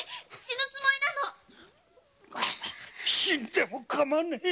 死ぬつもりなの⁉死んでもかまわねぇ。